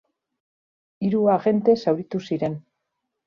Hiru agente zauritu ziren.